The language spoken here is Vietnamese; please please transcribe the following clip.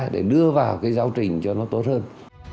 để đưa vào cái giáo trình cho nó tốt hơn